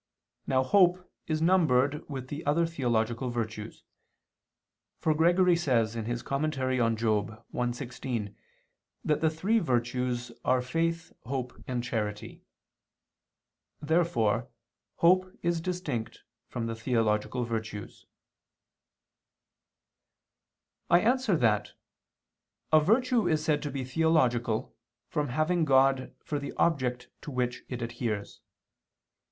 Now hope is numbered with the other theological virtues: for Gregory says (Moral. i, 16) that the three virtues are faith, hope, and charity. Therefore hope is distinct from the theological virtues. I answer that, A virtue is said to be theological from having God for the object to which it adheres.